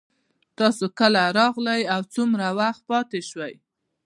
تاسو کله راغلئ او څومره وخت پاتې شوئ